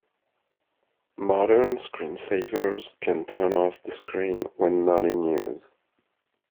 Modern screensavers can turn off the screen when not in use.